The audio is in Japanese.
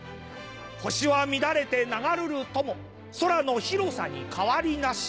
星は乱れて流るるとも空の広さに変わりなし。